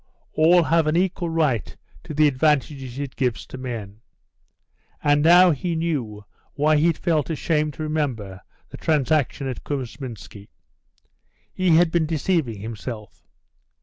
All have an equal right to the advantages it gives to men. And now he knew why he had felt ashamed to remember the transaction at Kousminski. He had been deceiving himself.